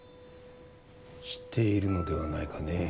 知っているのではないかね？